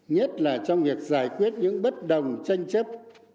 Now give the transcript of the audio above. nhất là trong việc giải quyết những bất đồng tranh chấp